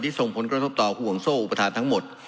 ส่งผลกระทบต่อห่วงโซ่อุปทานทั้งหมด